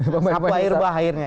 sapu air bah airnya